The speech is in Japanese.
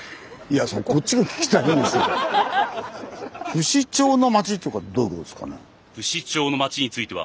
「不死鳥の町」ってどういうことですかね？